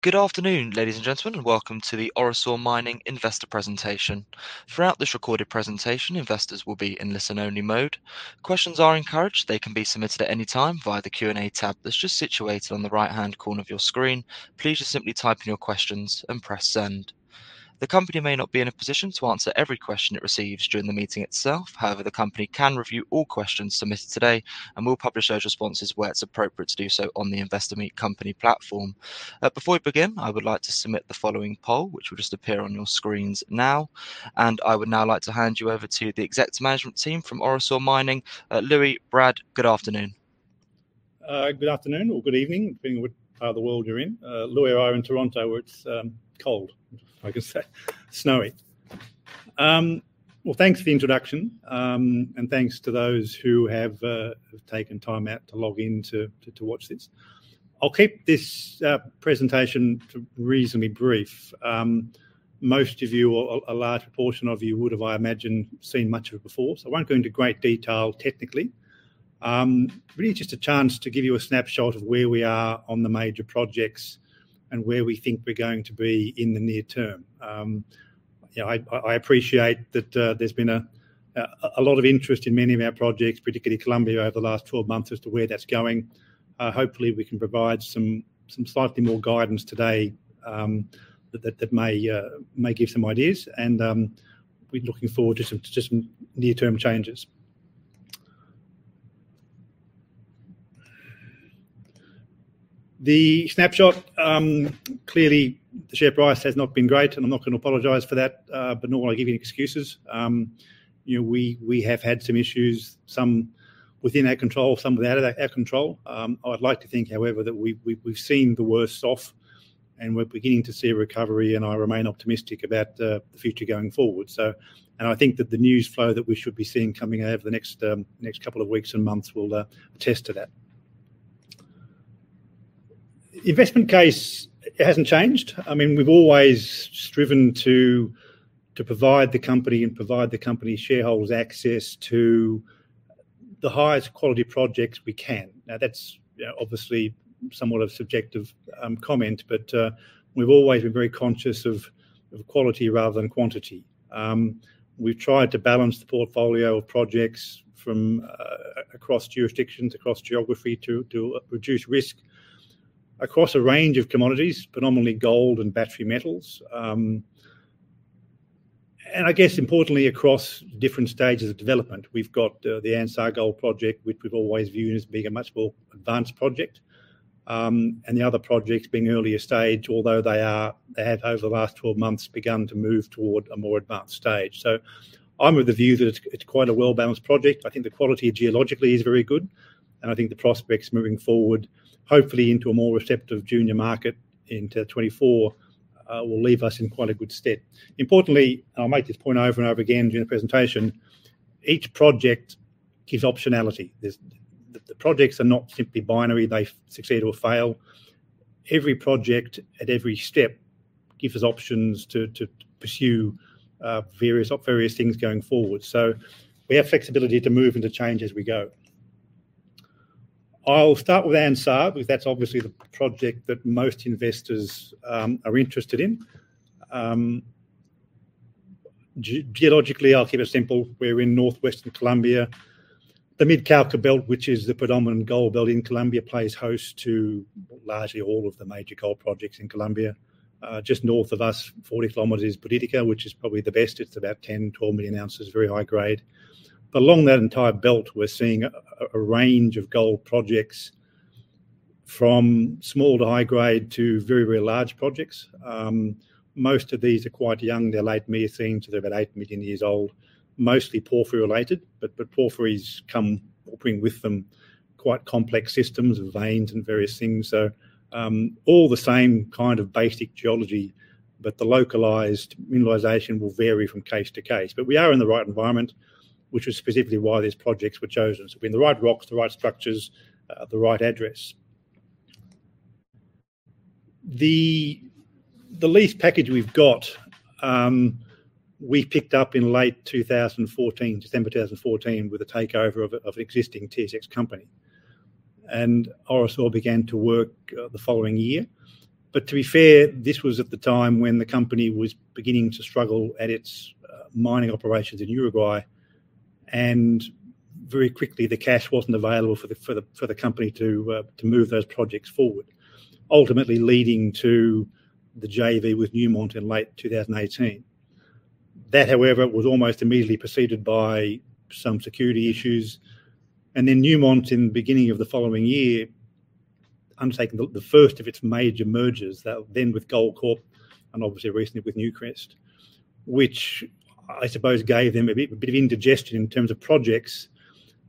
Good afternoon, ladies and gentlemen, and welcome to the Orosur Mining investor presentation. Throughout this recorded presentation, investors will be in listen-only mode. Questions are encouraged. They can be submitted at any time via the Q&A tab that's just situated on the right-hand corner of your screen. Please just simply type in your questions and press Send. The company may not be in a position to answer every question it receives during the meeting itself. However, the company can review all questions submitted today, and we'll publish those responses where it's appropriate to do so on the Investor Meet Company platform. Before we begin, I would like to submit the following poll, which will just appear on your screens now. I would now like to hand you over to the exec management team from Orosur Mining. Louie, Brad, good afternoon. Good afternoon or good evening, depending on what part of the world you're in. Louie and I are in Toronto, where it's cold, I can say. Snowy. Well, thanks for the introduction, and thanks to those who have taken time out to log in to watch this. I'll keep this presentation reasonably brief. Most of you, or a large portion of you, would have, I imagine, seen much of it before, so I won't go into great detail technically. Really just a chance to give you a snapshot of where we are on the major projects and where we think we're going to be in the near term. You know, I appreciate that there's been a lot of interest in many of our projects, particularly Colombia, over the last 12 months as to where that's going. Hopefully we can provide some slightly more guidance today that may give some ideas and we're looking forward to just near-term changes. The snapshot clearly the share price has not been great, and I'm not gonna apologize for that, but nor will I give you excuses. You know, we have had some issues, some within our control, some without our control. I'd like to think, however, that we've seen the worst off and we're beginning to see a recovery and I remain optimistic about the future going forward. I think that the news flow that we should be seeing coming over the next couple of weeks and months will attest to that. Investment case hasn't changed. I mean, we've always striven to provide the company shareholders access to the highest quality projects we can. Now, that's, you know, obviously somewhat of a subjective comment, but we've always been very conscious of quality rather than quantity. We've tried to balance the portfolio of projects from across jurisdictions, across geography to reduce risk across a range of commodities, predominantly gold and battery metals. And I guess importantly, across different stages of development. We've got the Anzá Gold Project, which we've always viewed as being a much more advanced project, and the other projects being earlier stage, although they have over the last 12 months begun to move toward a more advanced stage. I'm of the view that it's quite a well-balanced project. I think the quality geologically is very good, and I think the prospects moving forward, hopefully into a more receptive junior market into 2024, will leave us in quite a good stead. Importantly, I'll make this point over and over again during the presentation, each project gives optionality. The projects are not simply binary. They succeed or fail. Every project at every step gives us options to pursue various things going forward. We have flexibility to move and to change as we go. I'll start with Anzá because that's obviously the project that most investors are interested in. Geologically, I'll keep it simple. We're in northwestern Colombia. The Mid-Cauca Belt, which is the predominant gold belt in Colombia, plays host to largely all of the major gold projects in Colombia. Just north of us, 40 km, Is Buriticá, which is probably the best. It's about 10, 12 million oz, very high grade. Along that entire belt, we're seeing a range of gold projects from small to high grade to very, very large projects. Most of these are quite young. They're late Miocene, so they're about 8 million years old. Mostly porphyry related, but porphyries bring with them quite complex systems of veins and various things. All the same kind of basic geology, but the localized mineralization will vary from case to case. We are in the right environment, which is specifically why these projects were chosen. It's been the right rocks, the right structures, the right address. The lease package we've got, we picked up in late 2014, December 2014, with the takeover of existing TSX company. Orosur began to work the following year. To be fair, this was at the time when the company was beginning to struggle at its mining operations in Uruguay, and very quickly, the cash wasn't available for the company to move those projects forward. Ultimately leading to the JV with Newmont in late 2018. That, however, was almost immediately preceded by some security issues. Newmont in the beginning of the following year undertaken the first of its major mergers, that then with Goldcorp and obviously recently with Newcrest, which I suppose gave them a bit of indigestion in terms of projects.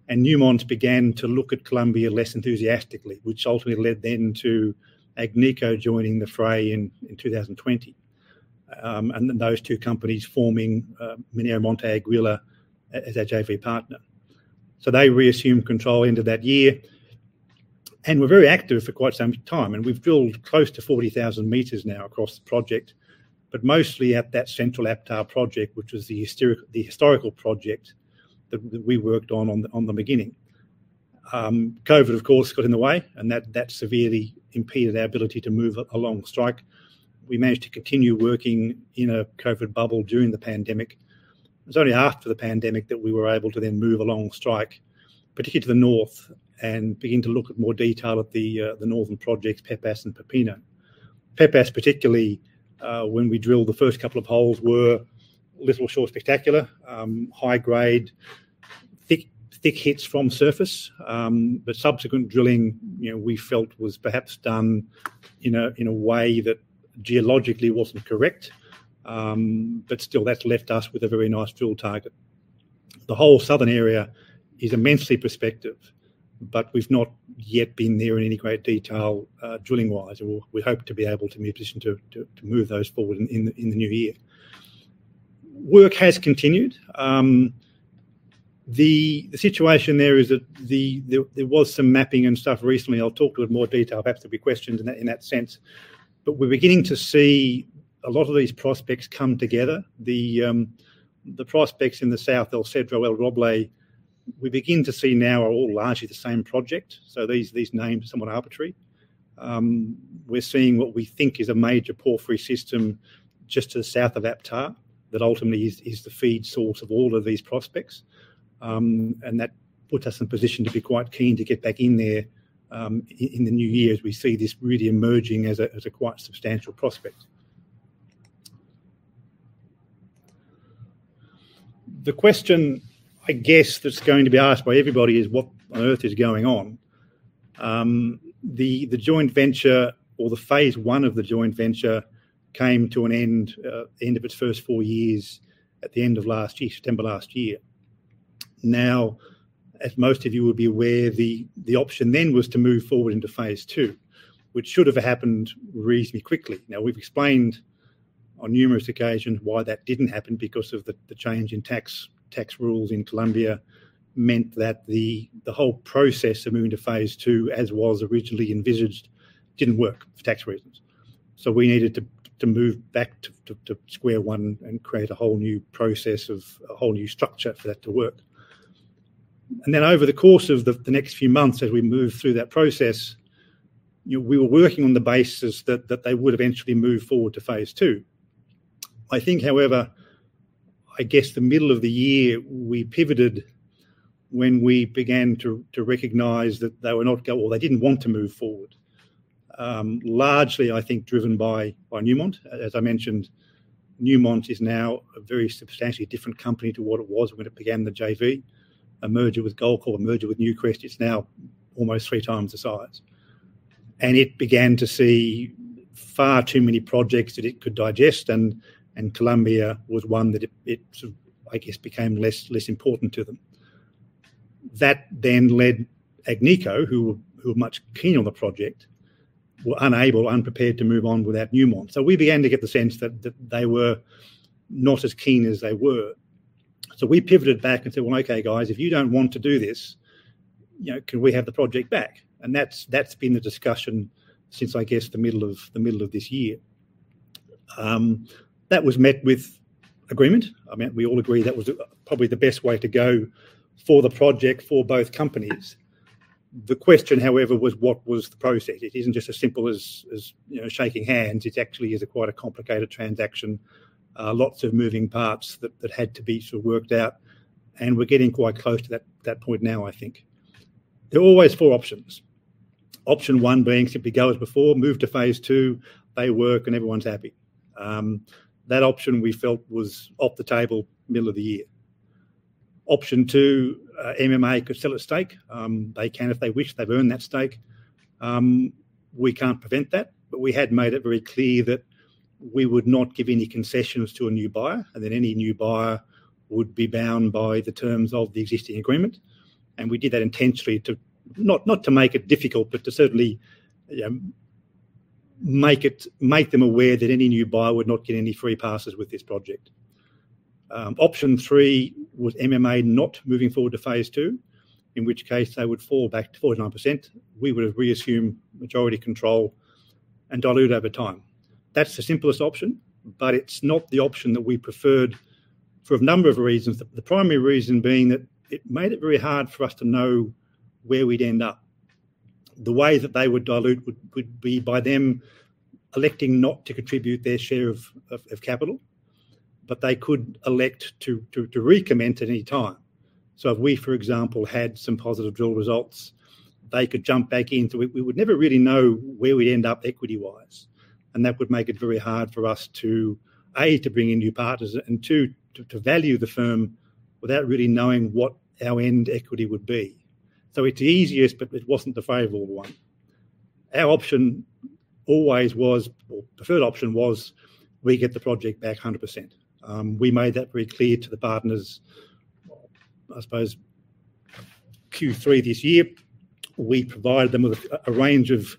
Newmont began to look at Colombia less enthusiastically, which ultimately led then to Agnico joining the fray in 2020. Those two companies forming Minera Monte Aguila as their JV partner. They reassumed control into that year and were very active for quite some time. We've drilled close to 40,000 m now across the project, but mostly at that central APTA project, which was the historical project that we worked at the beginning. COVID of course got in the way, and that severely impeded our ability to move along strike. We managed to continue working in a COVID bubble during the pandemic. It was only after the pandemic that we were able to then move along strike, particularly to the north, and begin to look at more detail at the northern projects, Pepas and Papilla. Pepas particularly, when we drilled the first couple of holes were a little short of spectacular. High grade, thick hits from surface. Subsequent drilling, you know, we felt was perhaps done in a way that geologically wasn't correct. Still that's left us with a very nice drill target. The whole southern area is immensely prospective, but we've not yet been there in any great detail, drilling-wise, or we hope to be able to be in position to move those forward in the new year. Work has continued. The situation there is that there was some mapping and stuff recently. I'll talk in a bit more detail. Perhaps there'll be questions in that sense. We're beginning to see a lot of these prospects come together. The prospects in the south, El Cedro, El Roble, we begin to see now are all largely the same project, so these names are somewhat arbitrary. We're seeing what we think is a major porphyry system just to the south of APTA that ultimately is the feed source of all of these prospects. That puts us in position to be quite keen to get back in there in the new year as we see this really emerging as a quite substantial prospect. The question I guess that's going to be asked by everybody is what on earth is going on? The joint venture or the Phase One of the joint venture came to an end of its first four years at the end of last year—September last year. Now, as most of you will be aware, the option then was to move forward into Phase Two, which should have happened reasonably quickly. Now, we've explained on numerous occasions why that didn't happen because of the change in tax. Tax rules in Colombia meant that the whole process of moving to Phase Two as was originally envisaged didn't work for tax reasons. We needed to move back to square one and create a whole new process, a whole new structure for that to work. Then over the course of the next few months as we moved through that process, we were working on the basis that they would eventually move forward to Phase Two. I think, however, I guess the middle of the year we pivoted when we began to recognize that they were not or they didn't want to move forward. Largely I think driven by Newmont. As I mentioned, Newmont is now a very substantially different company to what it was when it began the JV. A merger with Goldcorp, a merger with Newcrest, it's now almost three times the size. It began to see far too many projects that it could digest and Colombia was one that it sort of, I guess, became less important to them. That then led Agnico, who were much keen on the project, were unprepared to move on without Newmont. We began to get the sense that they were not as keen as they were. We pivoted back and said, "Well, okay, guys, if you don't want to do this, you know, can we have the project back?" That's been the discussion since, I guess, the middle of this year. That was met with agreement. I mean, we all agree that was probably the best way to go for the project for both companies. The question, however, was what was the process? It isn't just as simple as, you know, shaking hands. It actually is quite a complicated transaction. Lots of moving parts that had to be sort of worked out, and we're getting quite close to that point now, I think. There were always four options. Option one being simply go as before, move to Phase Two, they work, and everyone's happy. That option we felt was off the table middle of the year. Option two, MMA could sell its stake. They can if they wish. They've earned that stake. We can't prevent that, but we had made it very clear that we would not give any concessions to a new buyer and that any new buyer would be bound by the terms of the existing agreement. We did that intentionally, not to make it difficult, but to certainly make them aware that any new buyer would not get any free passes with this project. Option three was MMA not moving forward to Phase Two, in which case they would fall back to 49%. We would have reassumed majority control and dilute over time. That's the simplest option, but it's not the option that we preferred for a number of reasons. The primary reason being that it made it very hard for us to know where we'd end up. The way that they would dilute would be by them electing not to contribute their share of capital, but they could elect to recommence at any time. So if we, for example, had some positive drill results, they could jump back in. We would never really know where we'd end up equity-wise, and that would make it very hard for us to, a, to bring in new partners, and two, to value the firm without really knowing what our end equity would be. It's easiest, but it wasn't the favorable one. Our preferred option was we get the project back 100%. We made that very clear to the partners, I suppose, Q3 this year. We provided them with a range of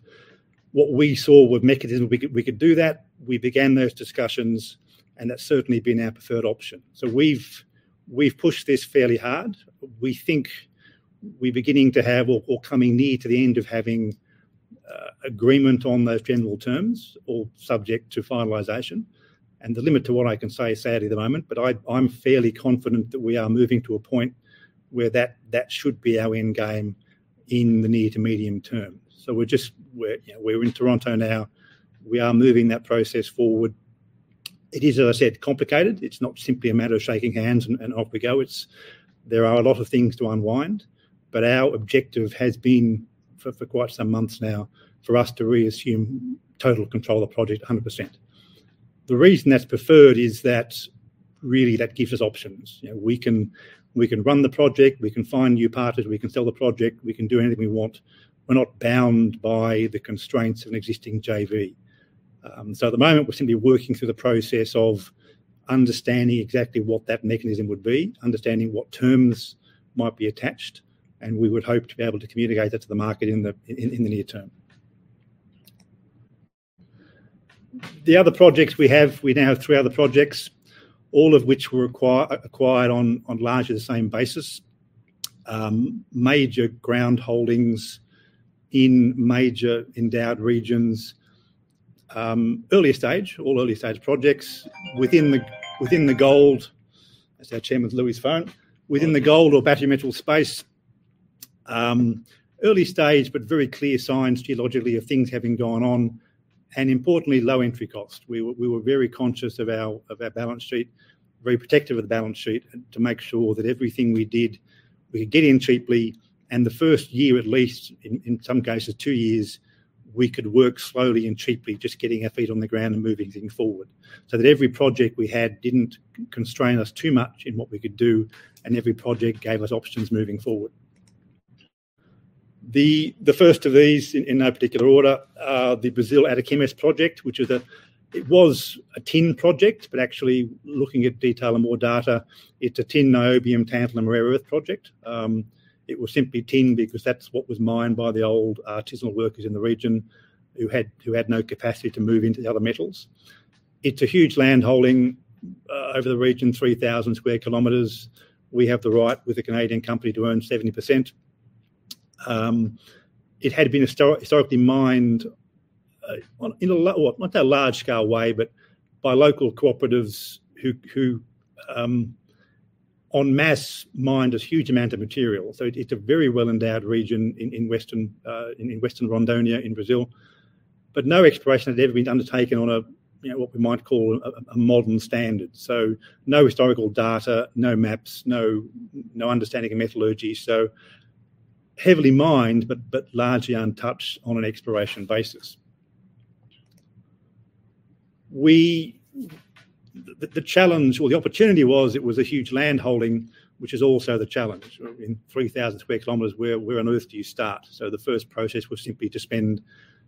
what we saw were mechanisms we could do that. We began those discussions, and that's certainly been our preferred option. We've pushed this fairly hard. We think we're beginning to come near to the end of having agreement on those general terms or subject to finalization and the limit to what I can say is sadly at the moment, but I'm fairly confident that we are moving to a point where that should be our end game in the near to medium term. We're in Toronto now, we are moving that process forward. It is, as I said, complicated. It's not simply a matter of shaking hands and off we go. There are a lot of things to unwind, our objective has been for quite some months now, for us to reassume total control of the project 100%. The reason that's preferred is that really that gives us options. You know, we can run the project. We can find new partners. We can sell the project. We can do anything we want. We're not bound by the constraints of an existing JV. So at the moment, we're simply working through the process of understanding exactly what that mechanism would be, understanding what terms might be attached, and we would hope to be able to communicate that to the market in the near term. The other projects we have, we now have three other projects, all of which were acquired on largely the same basis. Major ground holdings in major endowed regions. Early stage, all early stage projects within the gold. That's our Chairman Louie's phone. Within the gold or battery metal space. Early stage with very clear signs geologically of things having gone on, and importantly, low entry cost. We were very conscious of our balance sheet, very protective of the balance sheet to make sure that everything we did, we get in cheaply. The first year, at least in some cases two years, we could work slowly and cheaply just getting our feet on the ground and moving things forward, so that every project we had didn't constrain us too much in what we could do, and every project gave us options moving forward. The first of these, in no particular order, the Brazil Ariquemes Project. It was a tin project, but actually looking at detail and more data, it's a tin niobium tantalum rare earth project. It was simply tin because that's what was mined by the old artisanal workers in the region who had no capacity to move into the other metals. It's a huge land holding over the region, 3,000 sq km. We have the right with a Canadian company to own 70%. It had been historically mined, well, not on a large scale, but by local cooperatives who en masse mined this huge amount of material. It's a very well endowed region in Western Rondônia in Brazil, but no exploration had ever been undertaken on a, you know, what we might call a modern standard. No historical data, no maps, no understanding of methodology. Heavily mined, but largely untouched on an exploration basis. We—the challenge or the opportunity was. It was a huge land holding, which is also the challenge. I mean, 3,000 sq km, where on earth do you start? The first process was simply to spend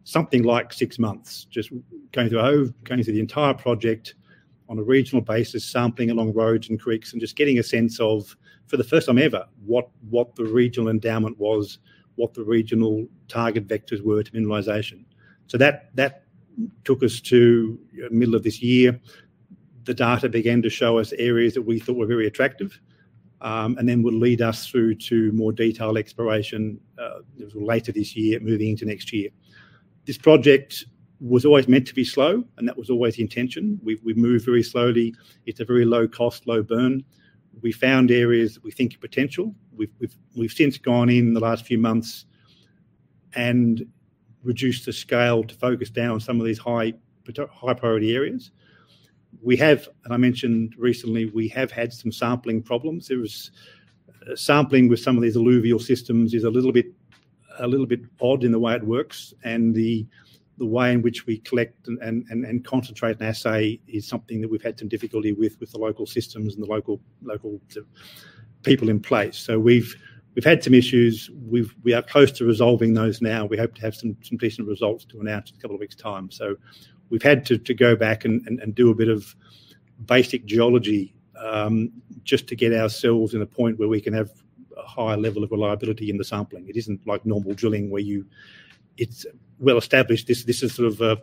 something like six months just going through the entire project on a regional basis, sampling along roads and creeks, and just getting a sense of, for the first time ever, what the regional endowment was, what the regional target vectors were to mineralization. That took us to middle of this year. The data began to show us areas that we thought were very attractive, and then would lead us through to more detailed exploration later this year, moving into next year. This project was always meant to be slow, and that was always the intention. We've moved very slowly. It's a very low cost, low burn. We found areas that we think are potential. We've since gone in the last few months and reduced the scale to focus down on some of these high priority areas. I mentioned recently, we have had some sampling problems. Sampling with some of these alluvial systems is a little bit odd in the way it works and the way in which we collect and concentrate and assay is something that we've had some difficulty with the local systems and the local people in place. We've had some issues. We are close to resolving those now. We hope to have some decent results to announce in a couple of weeks time. We've had to go back and do a bit of basic geology, just to get ourselves in a point where we can have a higher level of reliability in the sampling. It isn't like normal drilling where you—it's well established. This is sort of a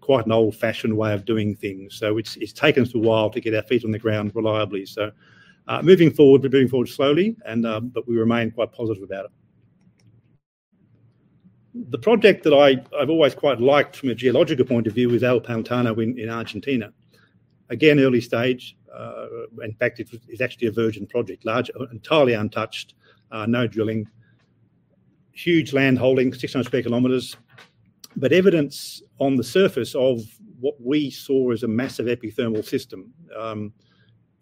quite an old-fashioned way of doing things. It's taken us a while to get our feet on the ground reliably. So moving forward, we're moving forward slowly, but we remain quite positive about it. The project that I've always quite liked from a geological point of view is El Pantano in Argentina. Again, early stage, in fact, it's actually a virgin project. Large, entirely untouched, no drilling. Huge land holding, 600 sq km. Evidence on the surface of what we saw as a massive epithermal system.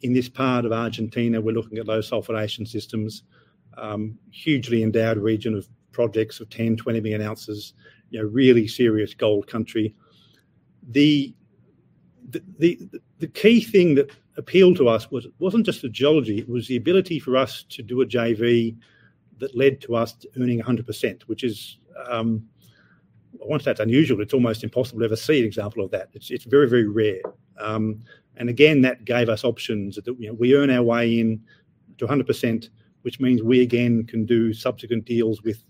In this part of Argentina, we're looking at low sulfidation systems. Hugely endowed region of projects of 10, 20 billion oz. You know, really serious gold country. The key thing that appealed to us was it wasn't just the geology, it was the ability for us to do a JV that led to us earning 100%, which is, I wouldn't say it's unusual, it's almost impossible to ever see an example of that. It's very, very rare. And again, that gave us options. You know, we earn our way in to 100%, which means we again can do subsequent deals with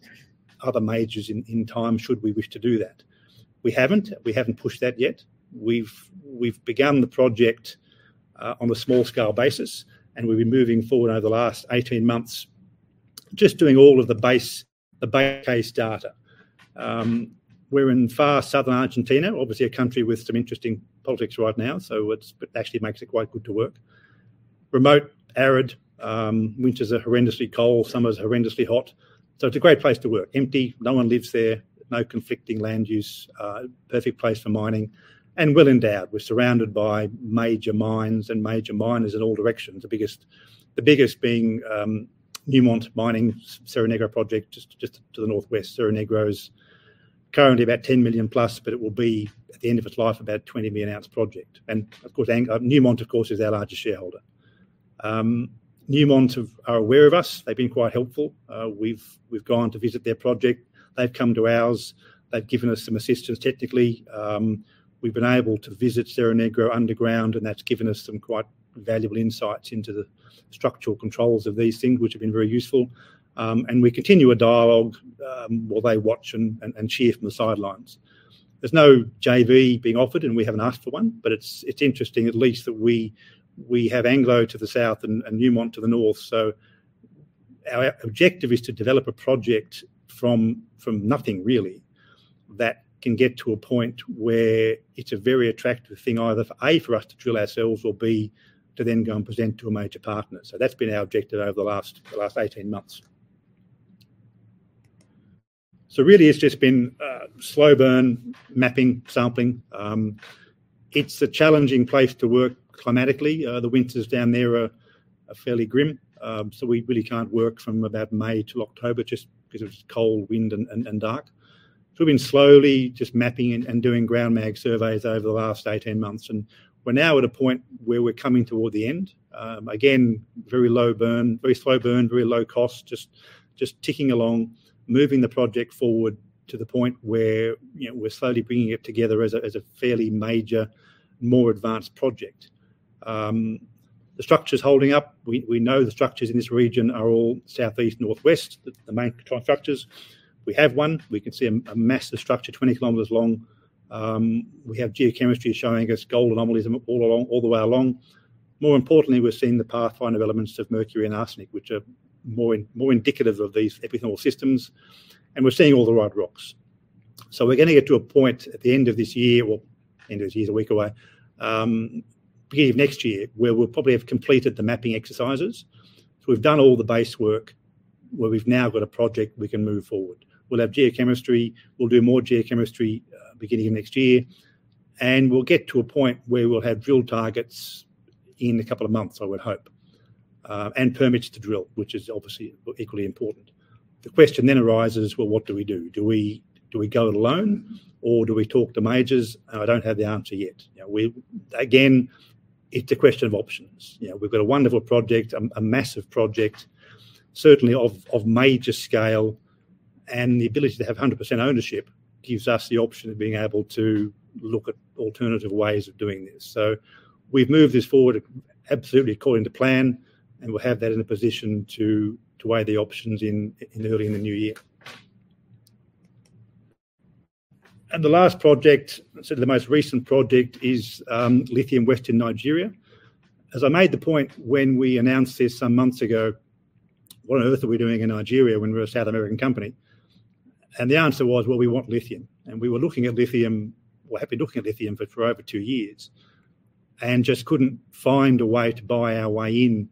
other majors in time should we wish to do that. We haven't—we haven't pushed that yet. We've begun the project on a small scale basis, and we've been moving forward over the last 18 months just doing all of the base case data. We're in far southern Argentina, obviously a country with some interesting politics right now, so it actually makes it quite good to work. Remote, arid, winters are horrendously cold. Summers are horrendously hot. It's a great place to work. Empty, no one lives there, no conflicting land use, perfect place for mining and well-endowed. We're surrounded by major mines and major miners in all directions. The biggest being Newmont Mining's Cerro Negro project just to the northwest. Cerro Negro is currently about 10+ million, but it will be at the end of its life about a 20 million oz project. Of course, Newmont is our largest shareholder. Newmont are aware of us. They've been quite helpful. We've gone to visit their project. They've come to ours. They've given us some assistance technically. We've been able to visit Cerro Negro underground, and that's given us some quite valuable insights into the structural controls of these things, which have been very useful. We continue a dialogue while they watch and cheer from the sidelines. There's no JV being offered, and we haven't asked for one, but it's interesting at least that we have Anglo to the south and Newmont to the north. Our objective is to develop a project from nothing really that can get to a point where it's a very attractive thing either for A, for us to drill ourselves or B, to then go and present to a major partner. That's been our objective over the last 18 months. Really it's just been slow burn, mapping, sampling. It's a challenging place to work climatically. The winters down there are fairly grim. We really can't work from about May to October just because it's cold, wind, and dark. We've been slowly just mapping and doing ground mag surveys over the last 18 months, and we're now at a point where we're coming toward the end. Again, very low burn, very slow burn, very low cost, just ticking along, moving the project forward to the point where, you know, we're slowly bringing it together as a fairly major, more advanced project. The structure's holding up. We know the structures in this region are all southeast, northwest, the main structures. We have one. We can see a massive structure 20 km long. We have geochemistry showing us gold anomalies all along, all the way along. More importantly, we're seeing the pathfinder elements of mercury and arsenic, which are more indicative of these epithermal systems, and we're seeing all the right rocks. We're gonna get to a point at the end of this year, which is a week away, beginning of next year where we'll probably have completed the mapping exercises. We've done all the base work where we've now got a project we can move forward. We'll have geochemistry. We'll do more geochemistry, beginning of next year, and we'll get to a point where we'll have drill targets in a couple of months, I would hope, and permits to drill, which is obviously equally important. The question then arises, well, what do we do? Do we go it alone, or do we talk to majors? I don't have the answer yet. You know, again, it's a question of options. You know, we've got a wonderful project, a massive project, certainly of major scale, and the ability to have 100% ownership gives us the option of being able to look at alternative ways of doing this. So we've moved this forward absolutely according to plan, and we'll have that in a position to weigh the options in early in the new year. The last project, sort of the most recent project, is Lithium West in Nigeria. As I made the point when we announced this some months ago, what on earth are we doing in Nigeria when we're a South American company? The answer was, well, we want lithium. We were looking at lithium, or have been looking at lithium for over two years and just couldn't find a way to buy our way in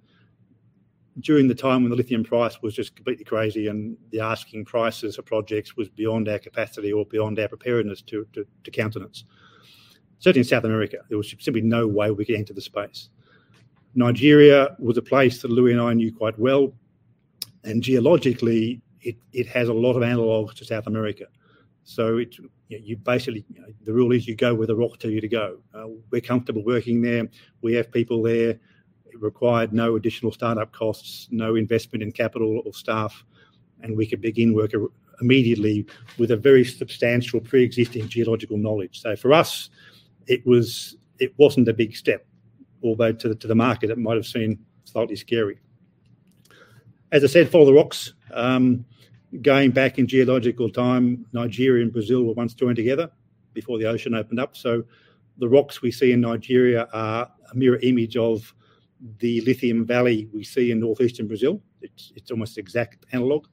during the time when the lithium price was just completely crazy and the asking prices for projects was beyond our capacity or beyond our preparedness to countenance. Certainly in South America, there was simply no way we were getting to the space. Nigeria was a place that Louie and I knew quite well, and geologically, it has a lot of analogs to South America. So basically, the rule is you go where the rock tell you to go. We're comfortable working there. We have people there. It required no additional startup costs, no investment in capital or staff, and we could begin work immediately with a very substantial pre-existing geological knowledge. For us, it was. It wasn't a big step, although to the market it might have seemed slightly scary. As I said, follow the rocks. Going back in geological time, Nigeria and Brazil were once joined together before the ocean opened up. The rocks we see in Nigeria are a mirror image of the Lithium Valley we see in northeastern Brazil. It's almost exact analog.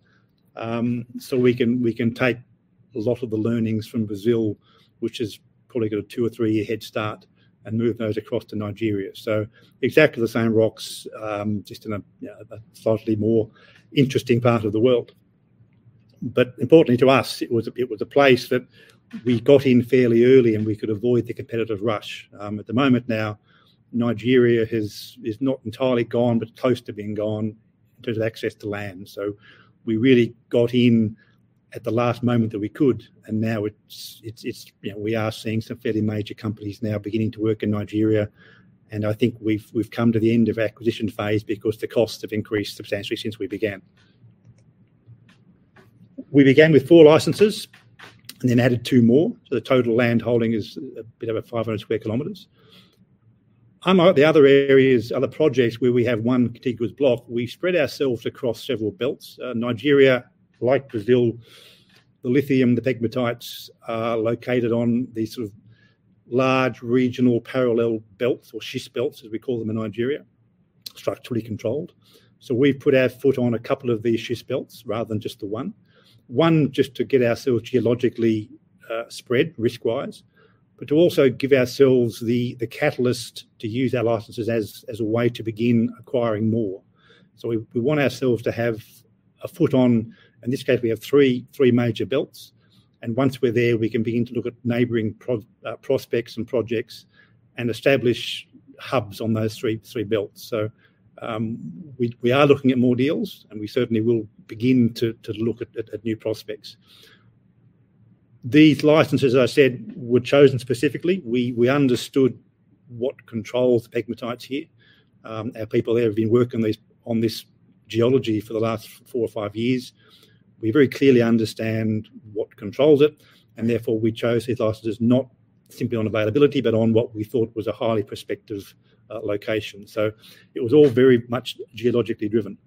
We can take a lot of the learnings from Brazil, which has probably got a two- or three-year head start, and move those across to Nigeria. Exactly the same rocks, just in a, you know, a slightly more interesting part of the world. Importantly to us, it was a place that we got in fairly early and we could avoid the competitive rush. At the moment now, Nigeria is not entirely gone, but close to being gone in terms of access to land. We really got in at the last moment that we could, and now it's, you know, we are seeing some fairly major companies now beginning to work in Nigeria, and I think we've come to the end of acquisition phase because the costs have increased substantially since we began. We began with four licenses and then added two more, so the total land holding is a bit over 500 sq km. The other areas, other projects where we have one contiguous block, we spread ourselves across several belts. Nigeria, like in Brazil, the lithium, the pegmatites are located on these sort of large regional parallel belts or schist belts, as we call them in Nigeria, structurally controlled. We've put our foot on a couple of these schist belts rather than just the one. One, just to get ourselves geologically spread risk-wise, but to also give ourselves the catalyst to use our licenses as a way to begin acquiring more. We want ourselves to have a foot on, in this case, we have three major belts. Once we're there, we can begin to look at neighboring prospects and projects and establish hubs on those three belts. We are looking at more deals, and we certainly will begin to look at new prospects. These licenses, as I said, were chosen specifically. We understood what controls pegmatites here. Our people there have been working on this geology for the last four or five years. We very clearly understand what controls it, and therefore, we chose these licenses not simply on availability, but on what we thought was a highly prospective location. So it was all very much geologically driven.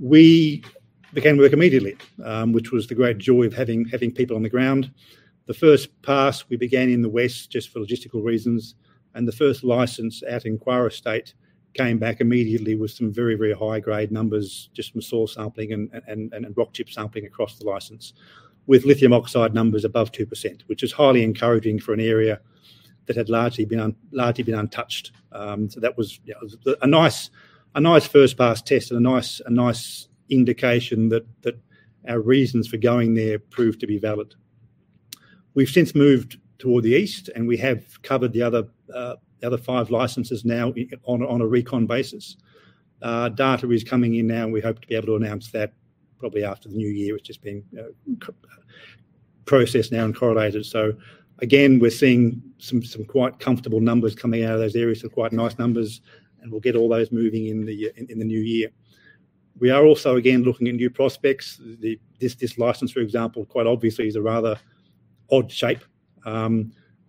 We began work immediately, which was the great joy of having people on the ground. The first pass, we began in the west just for logistical reasons, and the first license out in Kwara State came back immediately with some very high-grade numbers just from soil sampling and rock chip sampling across the license with lithium oxide numbers above 2%, which is highly encouraging for an area that had largely been untouched. That was a nice first pass test and a nice indication that our reasons for going there proved to be valid. We've since moved toward the east, and we have covered the other five licenses now on a recon basis. Data is coming in now, and we hope to be able to announce that probably after the new year. It's just being processed now and correlated. So again, we're seeing some quite comfortable numbers coming out of those areas. Quite nice numbers, and we'll get all those moving in the new year. We are also, again, looking at new prospects. This license, for example, quite obviously is a rather odd shape.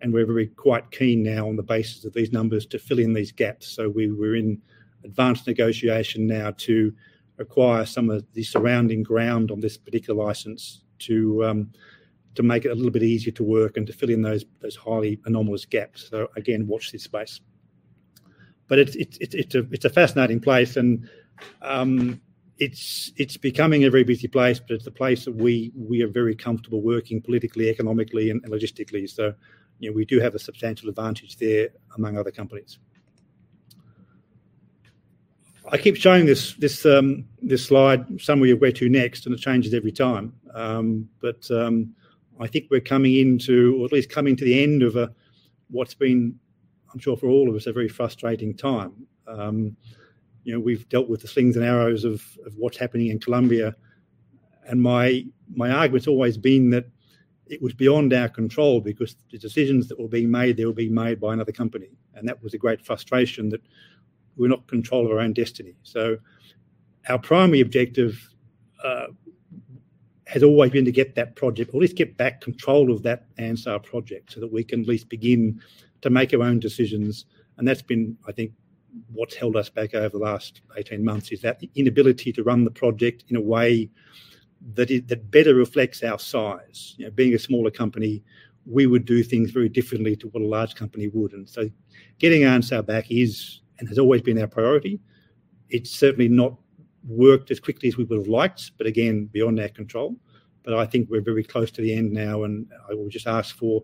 We're very quite keen now on the basis of these numbers to fill in these gaps. We're in advanced negotiation now to acquire some of the surrounding ground on this particular license to make it a little bit easier to work and to fill in those highly anomalous gaps. Again, watch this space. But it's a fascinating place and it's becoming a very busy place, but it's a place that we are very comfortable working politically, economically and logistically. So, you know, we do have a substantial advantage there among other companies. I keep showing this slide somewhere where to next, and it changes every time. I think we're coming into or at least coming to the end of what's been, I'm sure for all of us, a very frustrating time. You know, we've dealt with the slings and arrows of what's happening in Colombia. My argument's always been that it was beyond our control because the decisions that were being made, they were being made by another company. That was a great frustration that we're not in control of our own destiny. Our primary objective has always been to get that project, or at least get back control of that Anzá Project so that we can at least begin to make our own decisions. That's been, I think, what's held us back over the last 18 months is that inability to run the project in a way that that better reflects our size. You know, being a smaller company, we would do things very differently to what a large company would. So getting Anzá back is, and has always been our priority. It's certainly not worked as quickly as we would have liked, but again, beyond our control. But I think we're very close to the end now, and I will just ask for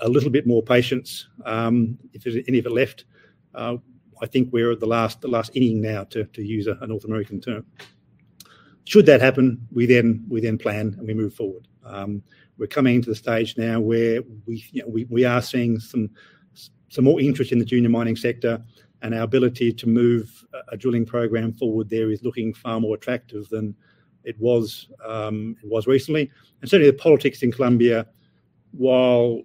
a little bit more patience, if there's any of it left. I think we're at the last inning now to use a North American term. Should that happen, we then plan, and we move forward. We're coming to the stage now where you know we are seeing some more interest in the junior mining sector and our ability to move a drilling program forward there is looking far more attractive than it was recently. Certainly the politics in Colombia, while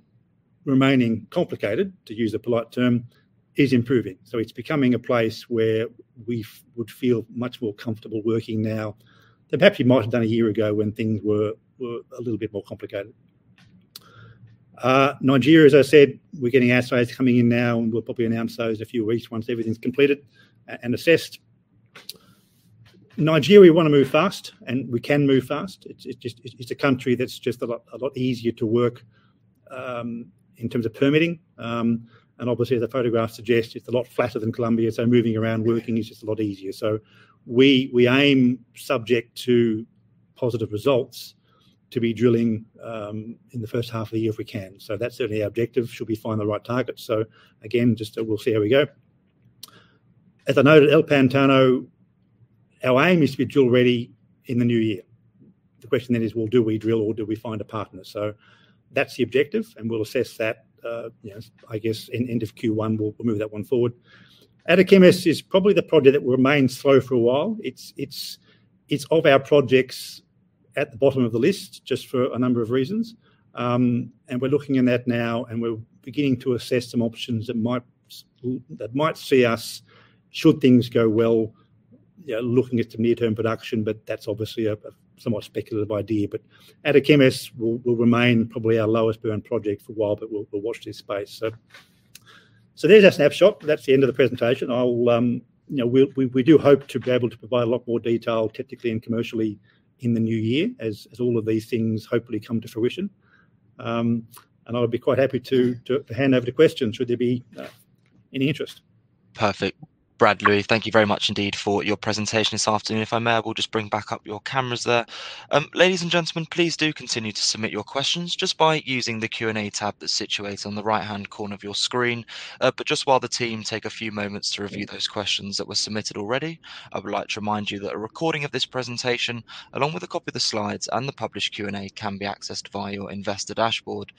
remaining complicated, to use a polite term, is improving. It's becoming a place where we would feel much more comfortable working now than perhaps we might have done a year ago when things were a little bit more complicated. Nigeria, as I said, we're getting assays coming in now, and we'll probably announce those in a few weeks once everything's completed and assessed. Nigeria, we wanna move fast, and we can move fast. It's just a country that's just a lot easier to work in terms of permitting. And obviously, as the photograph suggests, it's a lot flatter than Colombia, so moving around working is just a lot easier. We aim subject to positive results to be drilling in the first half of the year if we can. That's certainly our objective should we find the right target. So again, we'll see how we go. As I noted, El Pantano, our aim is to be drill ready in the new year. The question then is, well, do we drill or do we find a partner? That's the objective, and we'll assess that, you know, I guess in end of Q1, we'll move that one forward. Ariquemes is probably the project that will remain slow for a while. It's of our projects at the bottom of the list just for a number of reasons. We're looking at that now, and we're beginning to assess some options that might see us, should things go well. Yeah, looking at the near-term production, but that's obviously a somewhat speculative idea. Ariquemes will remain probably our lowest burn project for a while, but we'll watch this space. There's our snapshot. That's the end of the presentation. I'll, you know, we do hope to be able to provide a lot more detail technically and commercially in the new year as all of these things hopefully come to fruition. I'll be quite happy to hand over to questions should there be any interest. Perfect. Brad, Louie, thank you very much indeed for your presentation this afternoon. If I may, I will just bring back up your cameras there. Ladies and gentlemen, please do continue to submit your questions just by using the Q&A tab that's situated on the right-hand corner of your screen. But just while the team take a few moments to review those questions that were submitted already, I would like to remind you that a recording of this presentation, along with a copy of the slides and the published Q&A, can be accessed via your investor dashboard.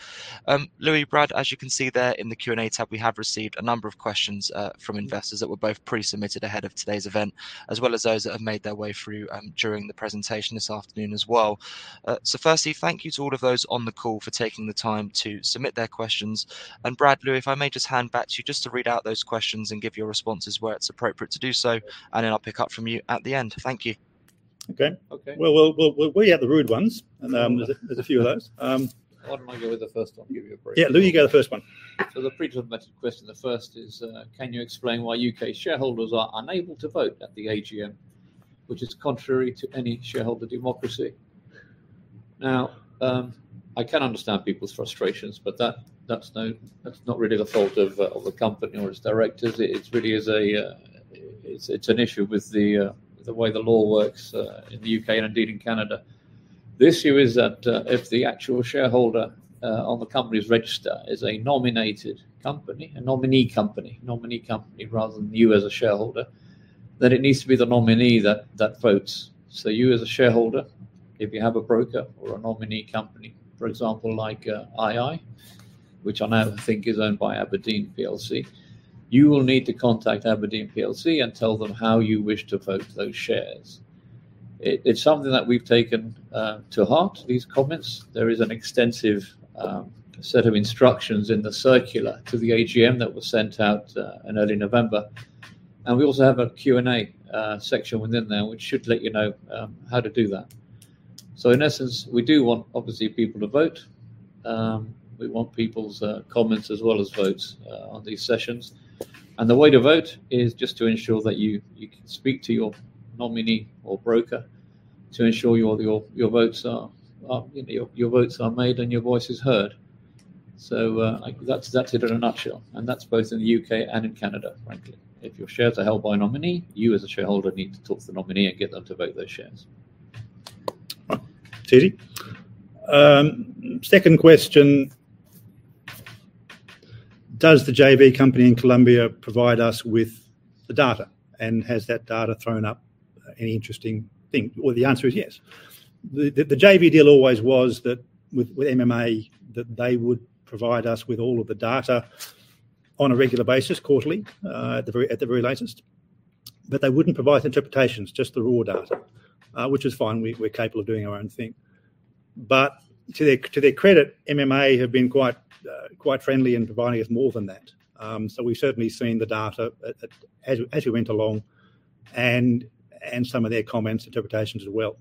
Louie, Brad, as you can see there in the Q&A tab, we have received a number of questions from investors that were both pre-submitted ahead of today's event, as well as those that have made their way through during the presentation this afternoon as well. Firstly, thank you to all of those on the call for taking the time to submit their questions. Brad, Louie, if I may just hand back to you just to read out those questions and give your responses where it's appropriate to do so, and then I'll pick up from you at the end. Thank you. Okay. Okay. We'll read out the rude ones. There's a few of those. Why don't I go with the first one? Give you a break. Yeah, Louie, you get the first one. The pre-submitted question, the first is, "Can you explain why U.K. shareholders are unable to vote at the AGM, which is contrary to any shareholder democracy?" Now, I can understand people's frustrations, but that's not really the fault of the company or its directors. It really is an issue with the way the law works in the U.K. and indeed in Canada. The issue is that if the actual shareholder on the company's register is a nominated company—nominee company rather than you as a shareholder, then it needs to be the nominee that votes. So you as a shareholder, if you have a broker or a nominee company. For example, like ii, which I now think is owned by abrdn plc, you will need to contact abrdn plc and tell them how you wish to vote those shares. It's something that we've taken to heart, these comments. There is an extensive set of instructions in the circular to the AGM that was sent out in early November. We also have a Q&A section within there which should let you know how to do that. So in essence, we do want obviously people to vote. We want people's comments as well as votes on these sessions. The way to vote is just to ensure that you speak to your nominee or broker to ensure your votes are made and your voice is heard. Like, that's it in a nutshell, and that's both in the U.K. and in Canada, frankly. If your shares are held by a nominee, you as a shareholder need to talk to the nominee and get them to vote those shares. Right. Second question. "Does the JV company in Colombia provide us with the data? And has that data thrown up any interesting thing?" Well, the answer is yes. The JV deal always was that with MMA that they would provide us with all of the data on a regular basis, quarterly, at the very latest, but they wouldn't provide the interpretations, just the raw data. Which is fine, we're capable of doing our own thing. But to their credit, MMA have been quite friendly in providing us more than that. So we've certainly seen the data as we went along and some of their comments, interpretations as well.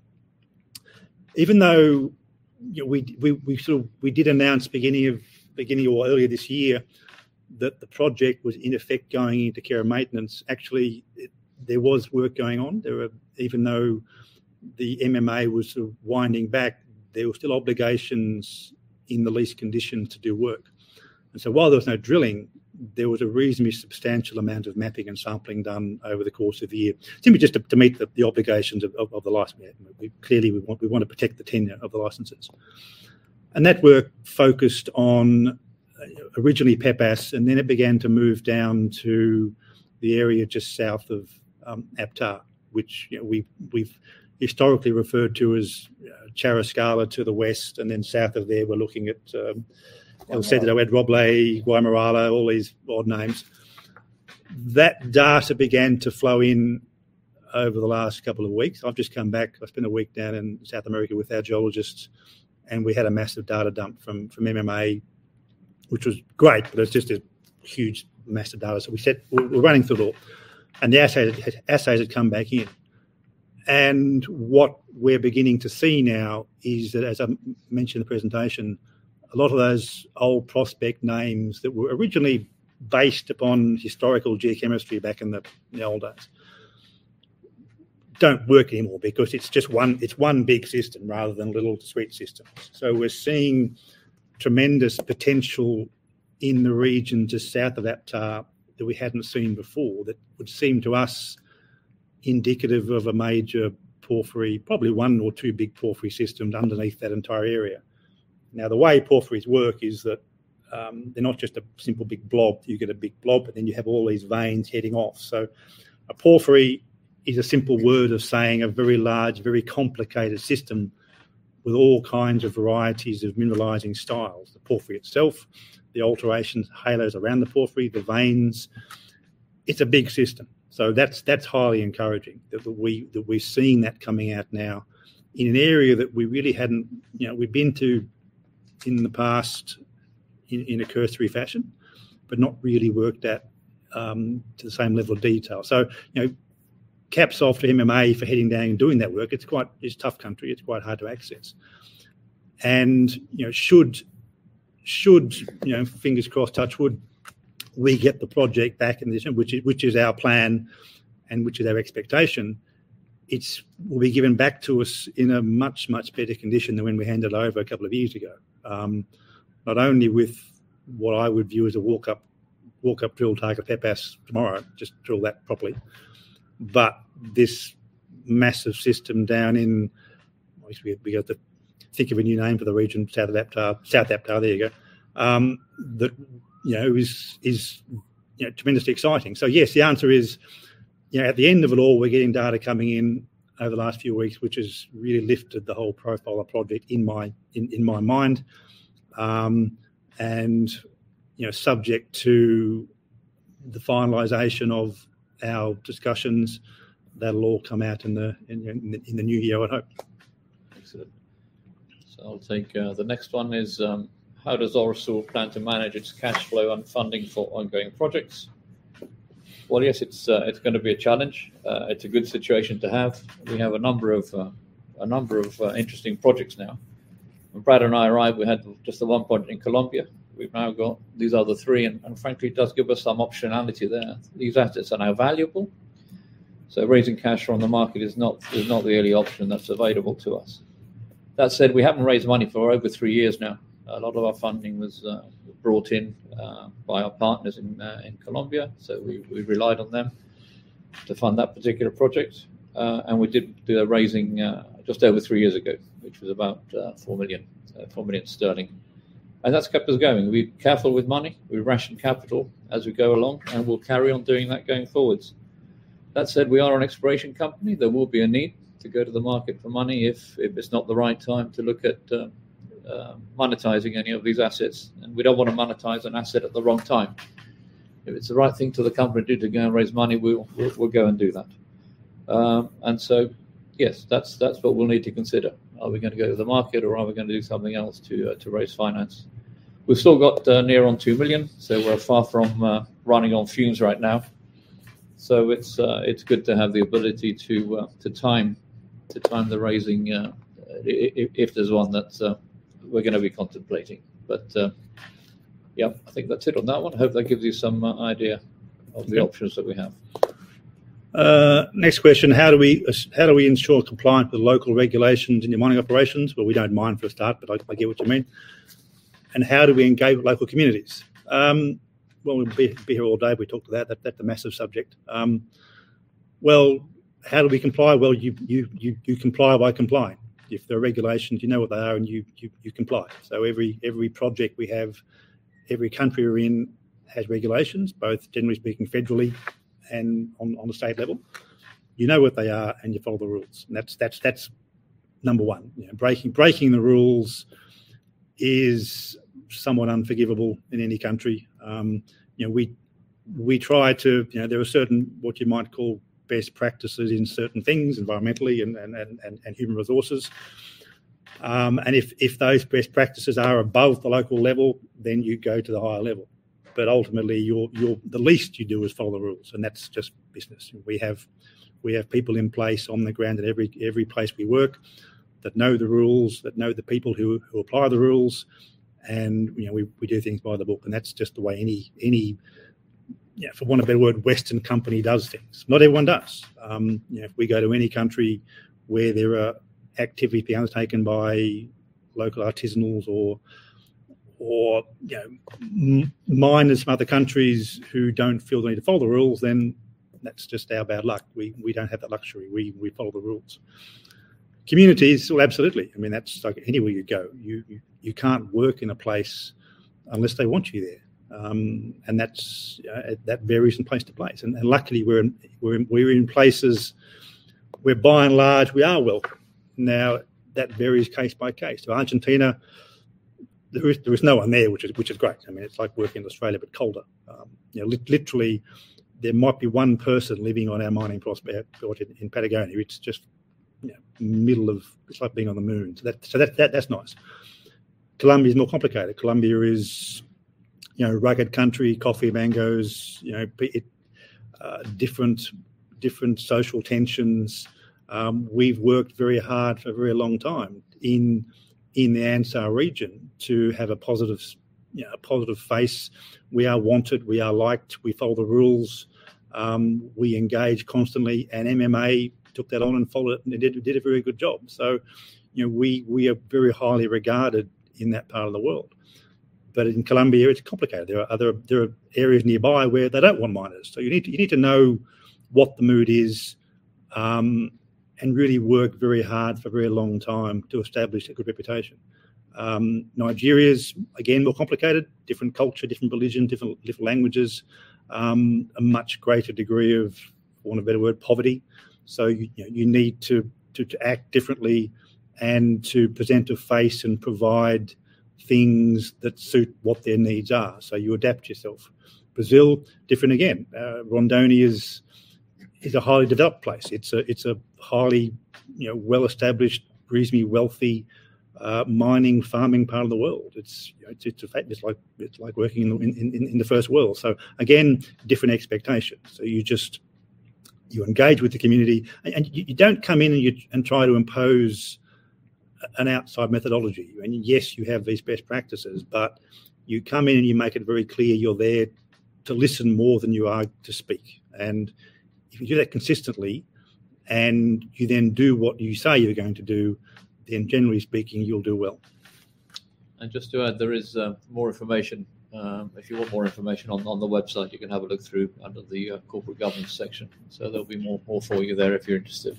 Even though, you know, we sort of we did announce beginning or earlier this year that the project was in effect going into care and maintenance. Actually, there was work going on. There were, even though the MMA was winding back, there were still obligations in the lease condition to do work. While there was no drilling, there was a reasonably substantial amount of mapping and sampling done over the course of the year, simply just to meet the obligations of the license. We clearly want to protect the tenure of the licenses. That work focused on originally Pepas, and then it began to move down to the area just south of APTA, which, you know, we've historically referred to as Charrascala to the west, and then south of there, we're looking at El Roble, Guamal, all these odd names. That data began to flow in over the last couple of weeks. I've just come back. I've spent a week down in South America with our geologists, and we had a massive data dump from MMA, which was great, but it's just a huge mass of data. We said we're running through it all. The assays had come back in. What we're beginning to see now is that, as I mentioned in the presentation, a lot of those old prospect names that were originally based upon historical geochemistry back in the old days don't work anymore because it's just one big system rather than little sweet systems. We're seeing tremendous potential in the region just south of APTA that we hadn't seen before that would seem to us indicative of a major porphyry, probably one or two big porphyry systems underneath that entire area. Now, the way porphyries work is that, they're not just a simple big blob. You get a big blob, and then you have all these veins heading off. So a porphyry is a simple word of saying a very large, very complicated system with all kinds of varieties of mineralizing styles. The porphyry itself, the alterations, halos around the porphyry, the veins. It's a big system. So that's highly encouraging that we're seeing that coming out now in an area that we really hadn't. You know, we'd been to it in the past in a cursory fashion, but not really worked at to the same level of detail. So, you know, caps off to MMA for heading down and doing that work. It's quite—it's tough country. It's quite hard to access. You know, should you know, fingers crossed, touch wood, we get the project back in the end, which is our plan and which is our expectation. It will be given back to us in a much better condition than when we handed over a couple of years ago. Not only with what I would view as a walk up drill target at Pepas tomorrow, just drill that properly, but this massive system down in. We got to think of a new name for the region. South of APTA. South APTA, there you go. That you know is tremendously exciting. Yes, the answer is, you know, at the end of it all, we're getting data coming in over the last few weeks, which has really lifted the whole profile of project in my mind. You know, subject to the finalization of our discussions, that'll all come out in the new year, I hope. Excellent. I'll take the next one is, "How does Orosur plan to manage its cash flow and funding for ongoing projects?" Well, yes, it's gonna be a challenge. It's a good situation to have. We have a number of interesting projects now. When Brad and I arrived, we had just the one project in Colombia. We've now got these other three and frankly, it does give us some optionality there. These assets are now valuable, so raising cash on the market is not the only option that's available to us. That said, we haven't raised money for over three years now. A lot of our funding was brought in by our partners in Colombia, so we've relied on them to fund that particular project. We did do a raising just over three years ago, which was about 4 million sterling, and that's kept us going. We're careful with money. We ration capital as we go along, and we'll carry on doing that going forwards. That said, we are an exploration company. There will be a need to go to the market for money if it's not the right time to look at monetizing any of these assets, and we don't wanna monetize an asset at the wrong time. If it's the right thing for the company to do to go and raise money, we'll go and do that. And so, yes, that's what we'll need to consider. Are we gonna go to the market, or are we gonna do something else to raise finance? We've still got near on $2 million, so we're far from running on fumes right now. It's good to have the ability to time the raising if there's one that we're gonna be contemplating. Yeah, I think that's it on that one. Hope that gives you some idea of the options that we have. Next question. "How do we ensure compliance with local regulations in your mining operations?" Well, we don't mine for a start, but I get what you mean. And how do we engage with local communities? Well, we'd be here all day if we talked that. That's a massive subject. Well, how do we comply? Well, you comply by complying. If there are regulations, you know what they are and you comply. Every project we have, every country we're in has regulations, both generally speaking federally and on the state level. You know what they are, and you follow the rules and that's number one. You know, breaking the rules is somewhat unforgivable in any country. You know, we try to—yeah, there are certain, what you might call best practices in certain things environmentally and human resources. If those best practices are above the local level, then you go to the higher level. Ultimately, the least you do is follow the rules, and that's just business. We have people in place on the ground at every place we work that know the rules, that know the people who apply the rules and, you know, we do things by the book, and that's just the way any, you know, for a better word, Western company does things. Not everyone does. You know, if we go to any country where there are activities being undertaken by local artisanals or, you know, miners from other countries who don't feel the need to follow the rules, then that's just our bad luck. We don't have that luxury. We follow the rules. Communities, well, absolutely. I mean, that's like anywhere you go. You can't work in a place unless they want you there. That varies from place to place. Luckily we're in places where by and large we are welcome. That varies case by case. Argentina, there is no one there, which is great. I mean, it's like working in Australia, but colder. Literally there might be one person living on our mining prospect or in Patagonia. It's just, you know, in the middle of nowhere. It's like being on the moon. That's nice. Colombia's more complicated. Colombia is, you know, rugged country, coffee, mangoes. You know, different social tensions. We've worked very hard for a very long time in the Anzá region to have a positive, you know, a positive face. We are wanted. We are liked. We follow the rules. We engage constantly, and MMA took that on and followed it, and they did a very good job. You know, we are very highly regarded in that part of the world. But in Colombia, it's complicated. There are other areas nearby where they don't want miners. You need to know what the mood is and really work very hard for a very long time to establish a good reputation. Nigeria's again more complicated. Different culture, different religion, different languages. A much greater degree of, for want of a better word, poverty. You know, you need to act differently and to present a face and provide things that suit what their needs are. You adapt yourself. Brazil, different again. Rondônia is a highly developed place. It's a highly, you know, well-established, reasonably wealthy mining, farming part of the world. It's like working in the first world. Again, different expectations. You engage with the community and you don't come in and try to impose an outside methodology. Yes, you have these best practices. You come in and you make it very clear you're there to listen more than you are to speak. If you do that consistently, and you then do what you say you're going to do, then generally speaking, you'll do well. Just to add, there is more information. If you want more information on the website, you can have a look through under the Corporate Governance section. There'll be more for you there if you're interested.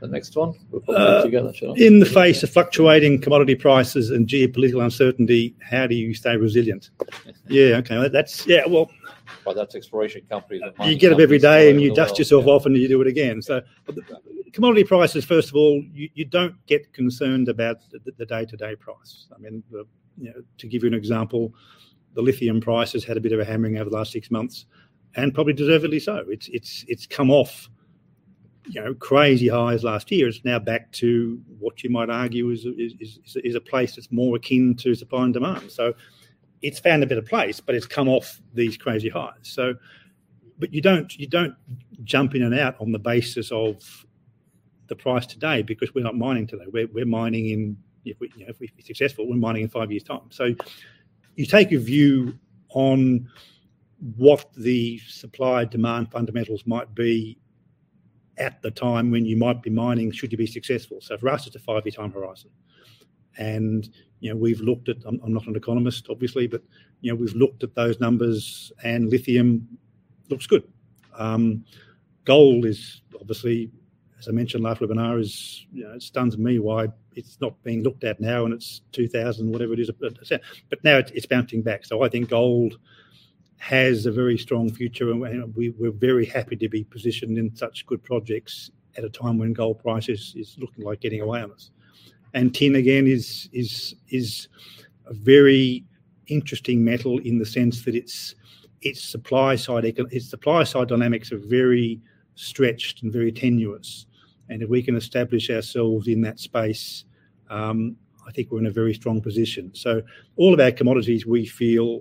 The next one. We'll put that together, shall we? "In the face of fluctuating commodity prices and geopolitical uncertainty, how do you stay resilient?" Yeah, okay. That's, yeah, well— Well, that's exploration company that mines. You get up every day and you dust yourself off, and you do it again. Commodity prices, first of all, you don't get concerned about the day-to-day price. I mean, you know, to give you an example, the lithium price has had a bit of a hammering over the last six months, and probably deservedly so. It's come off, you know, crazy highs last year. It's now back to what you might argue is a place that's more akin to supply and demand. It's found its place, but it's come off these crazy highs. So you don't jump in and out on the basis of the price today because we're not mining today. You know, if we're successful, we're mining in five years' time. You take a view on what the supply-demand fundamentals might be at the time when you might be mining should you be successful. For us, it's a five-year time horizon. You know, we've looked—I'm not an economist, obviously, but you know, we've looked at those numbers and lithium looks good. Gold is obviously, as I mentioned. La Rubina, you know, it stuns me why it's not being looked at now and it's 2,000 whatever it is percent. Now it's bouncing back. I think gold has a very strong future, and we're very happy to be positioned in such good projects at a time when gold price is looking like getting away on us. Tin again is a very interesting metal in the sense that its supply side dynamics are very stretched and very tenuous. If we can establish ourselves in that space, I think we're in a very strong position. All of our commodities, we feel,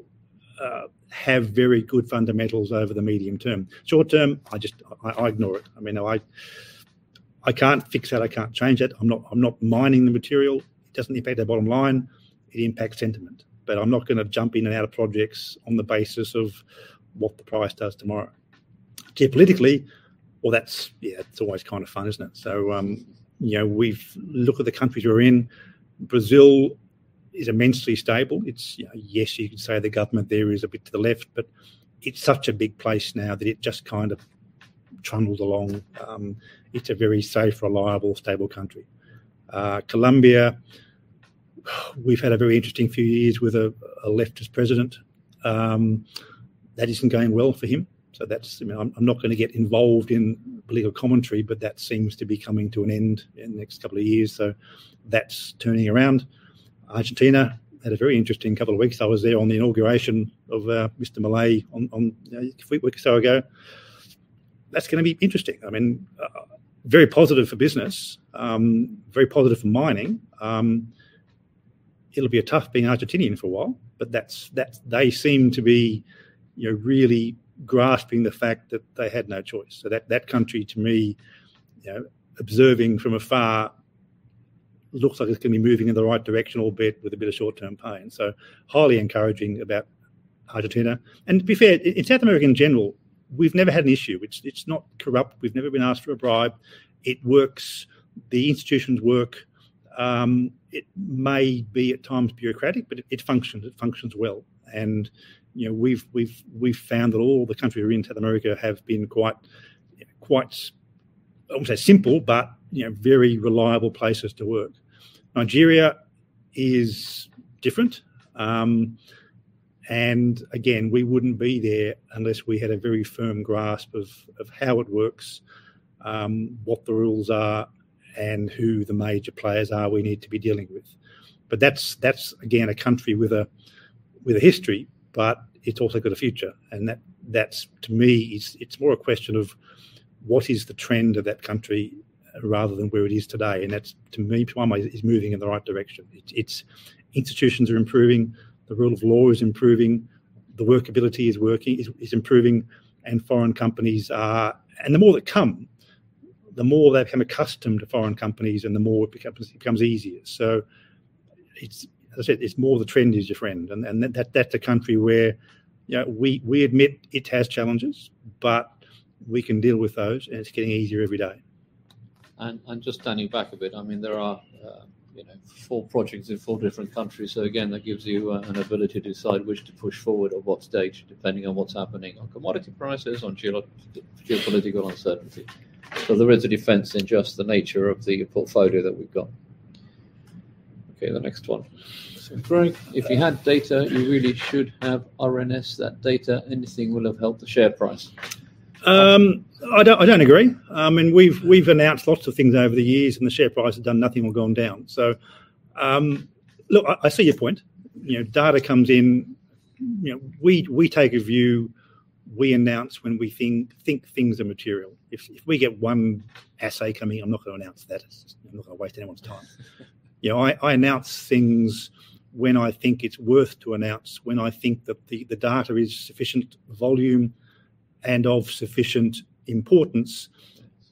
have very good fundamentals over the medium term. Short term, I ignore it. I mean, I can't fix that. I can't change it. I'm not mining the material. It doesn't affect our bottom line. It impacts sentiment. I'm not gonna jump in and out of projects on the basis of what the price does tomorrow. Geopolitically, well, that's. Yeah, it's always kind of fun, isn't it? You know, we've looked at the countries we're in. Brazil is immensely stable. It's, you know, yes, you can say the government there is a bit to the left, but it's such a big place now that it just kind of trundles along. It's a very safe, reliable, stable country. Colombia, we've had a very interesting few years with a leftist president. That isn't going well for him. You know, I'm not gonna get involved in political commentary, but that seems to be coming to an end in the next couple of years. So, that's turning around. Argentina had a very interesting couple of weeks. I was there on the inauguration of Mr. Milei, you know, a week or so ago. That's gonna be interesting. I mean, very positive for business, very positive for mining. It'll be tough being Argentinian for a while, but that's, they seem to be, you know, really grasping the fact that they had no choice. That country to me, you know, observing from afar, looks like it's gonna be moving in the right direction albeit with a bit of short-term pain. So, highly encouraging about Argentina. To be fair, in South America in general, we've never had an issue. It's not corrupt. We've never been asked for a bribe. It works. The institutions work. It may be at times bureaucratic, but it functions—it functions well. You know, we've found that all the countries we're in South America have been quite, I won't say simple, but, you know, very reliable places to work. Nigeria is different. We wouldn't be there unless we had a very firm grasp of how it works, what the rules are, and who the major players are, we need to be dealing with. That's again a country with a history, but it's also got a future. And that's to me it's more a question of what is the trend of that country rather than where it is today. That's to me to my mind is moving in the right direction. Its institutions are improving. The rule of law is improving. The workability is improving. Foreign companies are coming. The more that come, the more they become accustomed to foreign companies, and the more it becomes easier. It's as I said more the trend is your friend. That's a country where, you know, we admit it has challenges, but we can deal with those, and it's getting easier every day. And just standing back a bit, I mean, there are, you know, four projects in four different countries. Again, that gives you an ability to decide which to push forward at what stage, depending on what's happening on commodity prices, on geopolitical uncertainty. There is a defense in just the nature of the portfolio that we've got. Okay, the next one. "Brad, if you had data, you really should have RNS, that data, anything will have helped the share price." I don't agree. I mean, we've announced lots of things over the years, and the share price has done nothing or gone down. So, look, I see your point. You know, data comes in. You know, we take a view. We announce when we think things are material. If we get one assay coming in, I'm not gonna announce that. I'm not gonna waste anyone's time. You know, I announce things when I think it's worth to announce, when I think that the data is sufficient volume and of sufficient importance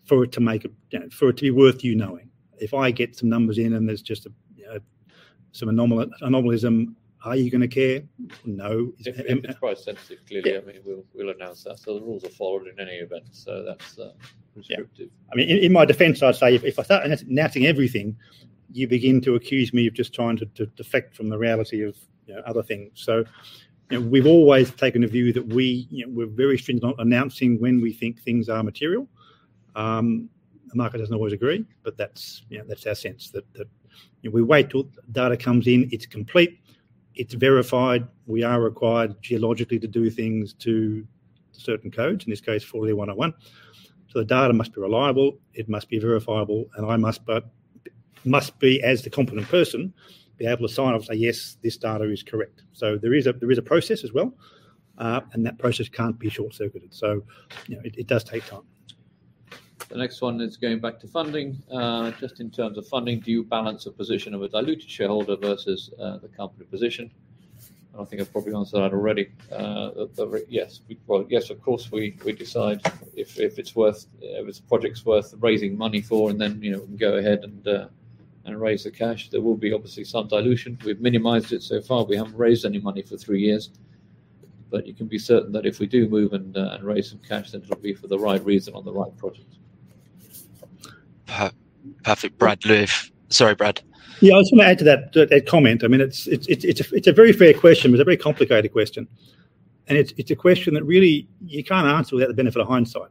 for it to make a, you know, for it to be worth you knowing. If I get some numbers in and there's just some anomalism, are you gonna care? No. If it's quite sensitive, clearly. Yeah. I mean, we'll announce that. The rules are followed in any event, so that's restrictive. Yeah. I mean, in my defense, I'd say if I start announcing everything, you begin to accuse me of just trying to defect from the reality of, you know, other things. You know, we've always taken a view that we, you know, we're very stringent on announcing when we think things are material. The market doesn't always agree, but that's, you know, our sense. That, you know, we wait till data comes in, it's complete, it's verified. We are required geologically to do things to certain codes, in this case NI 43-101. The data must be reliable, it must be verifiable, and I must but must be, as the competent person, able to sign off and say, "Yes, this data is correct." There is a process as well, and that process can't be short-circuited, so you know, it does take time. The next one is going back to funding. "Just in terms of funding, do you balance the position of a diluted shareholder versus the company position?" I think I've probably answered that already. Yes. Well, yes, of course, we decide if a project's worth raising money for, and then, you know, go ahead and raise the cash. There will be obviously some dilution. We've minimized it so far. We haven't raised any money for three years. You can be certain that if we do move and raise some cash, then it'll be for the right reason on the right project. Perfect. Brad, Louie. Sorry, Brad. Yeah. I just wanna add to that comment. I mean, it's a very fair question, but it's a very complicated question and it's a question that really you can't answer without the benefit of hindsight.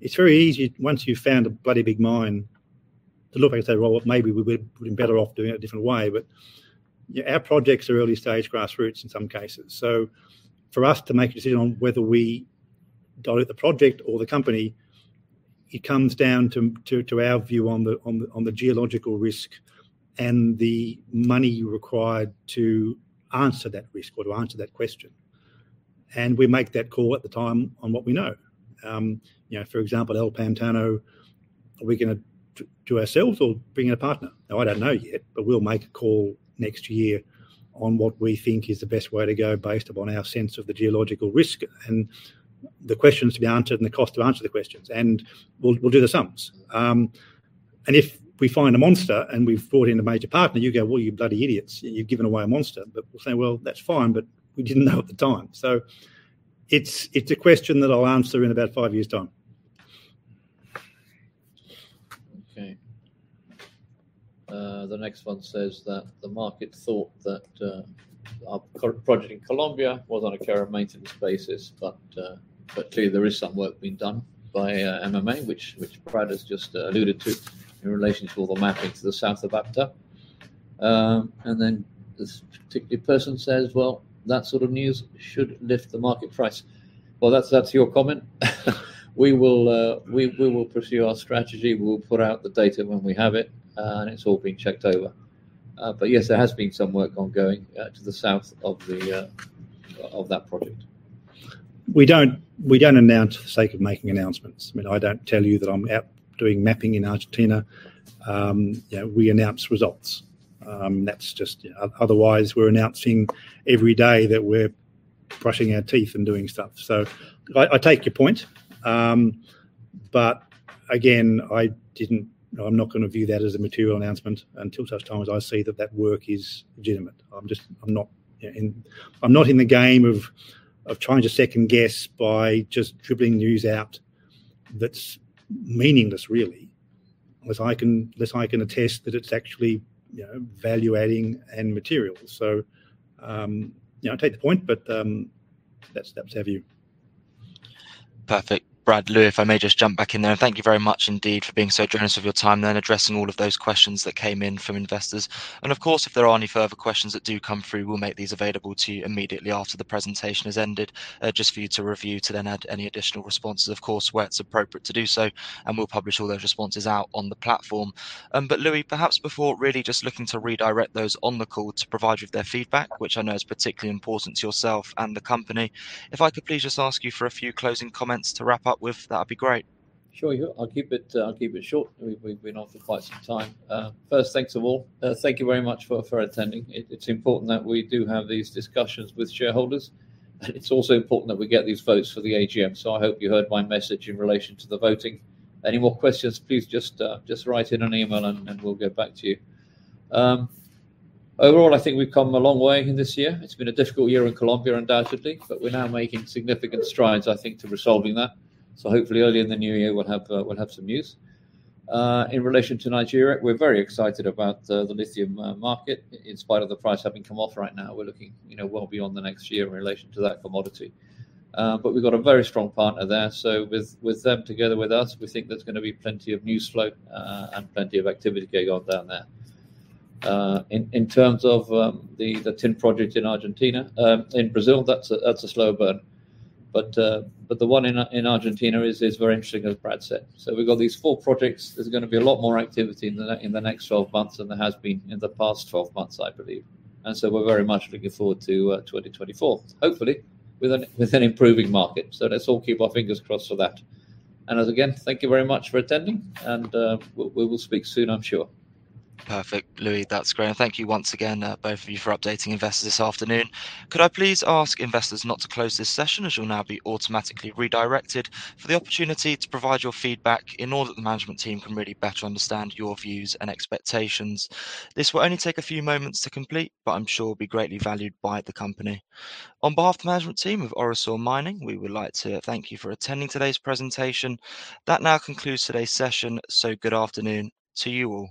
It's very easy once you've found a bloody big mine to look at it and say, "Well, maybe we'd have been better off doing it a different way." You know, our projects are early-stage grassroots in some cases. For us to make a decision on whether we dilute the project or the company, it comes down to our view on the geological risk and the money required to answer that risk or to answer that question, and we make that call at the time on what we know. You know, for example, El Pantano, are we gonna do ourselves or bring in a partner? Now, I don't know yet, but we'll make a call next year on what we think is the best way to go based upon our sense of the geological risk and the questions to be answered and the cost to answer the questions, and we'll do the sums. If we find a monster and we've brought in a major partner, you go, "Well, you bloody idiots. You've given away a monster." We'll say, "Well, that's fine, but we didn't know at the time." It's a question that I'll answer in about five years' time. Okay. The next one says that the market thought that our project in Colombia was on a care and maintenance basis, but clearly there is some work being done by MMA, which Brad has just alluded to in relation to all the mapping to the south of APTA. And then this particular person says, "Well, that sort of news should lift the market price." Well, that's your comment. We will pursue our strategy. We'll put out the data when we have it, and it's all been checked over. But yes, there has been some work ongoing to the south of that project. We don't announce for the sake of making announcements. I mean, I don't tell you that I'm out doing mapping in Argentina. You know, we announce results. That's just otherwise, we're announcing every day that we're brushing our teeth and doing stuff. I take your point. Again, you know, I'm not gonna view that as a material announcement until such time as I see that work is legitimate. I'm just not, you know, in the game of trying to second-guess by just dribbling news out that's meaningless, really. Unless I can attest that it's actually, you know, value-adding and material. You know, I take the point, but that's your view. Perfect. Brad, Louie, if I may just jump back in there. Thank you very much indeed for being so generous with your time then addressing all of those questions that came in from investors. Of course, if there are any further questions that do come through, we'll make these available to you immediately after the presentation has ended, just for you to review to then add any additional responses, of course, where it's appropriate to do so, and we'll publish all those responses out on the platform. Louie, perhaps before really just looking to redirect those on the call to provide you with their feedback, which I know is particularly important to yourself and the company, if I could please just ask you for a few closing comments to wrap up with, that'd be great. Sure. I'll keep it short. We've been on for quite some time. First, thanks to all. Thank you very much for attending. It's important that we do have these discussions with shareholders, and it's also important that we get these votes for the AGM, so I hope you heard my message in relation to the voting. Any more questions, please just write in an email and we'll get back to you. Overall, I think we've come a long way in this year. It's been a difficult year in Colombia, undoubtedly, but we're now making significant strides, I think, to resolving that. Hopefully early in the new year we'll have some news. In relation to Nigeria, we're very excited about the lithium market. In spite of the price having come off right now, we're looking, you know, well beyond the next year in relation to that commodity. We've got a very strong partner there, so with them together with us, we think there's gonna be plenty of news flow, and plenty of activity going on down there. In terms of the tin project in Argentina, in Brazil, that's a slow burn. The one in Argentina is very interesting, as Brad said. We've got these four projects. There's gonna be a lot more activity in the next 12 months than there has been in the past 12 months, I believe. We're very much looking forward to 2024, hopefully with an improving market. Let's all keep our fingers crossed for that. As always, thank you very much for attending, and we will speak soon, I'm sure. Perfect. Louie, that's great. Thank you once again, both of you for updating investors this afternoon. Could I please ask investors not to close this session, as you'll now be automatically redirected, for the opportunity to provide your feedback in order that the management team can really better understand your views and expectations. This will only take a few moments to complete, but I'm sure will be greatly valued by the company. On behalf of the management team of Orosur Mining, we would like to thank you for attending today's presentation. That now concludes today's session, so good afternoon to you all.